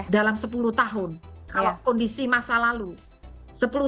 dalam sepuluh tahun kalau kondisi masa lalu